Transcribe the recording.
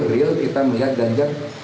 ternyata tidak punya gagasan